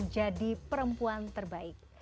jadi perempuan terbaik